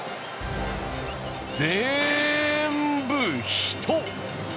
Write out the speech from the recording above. ぜーんぶ、人！